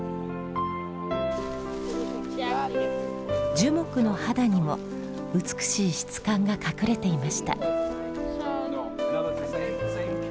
樹木の肌にも美しい質感が隠れていました。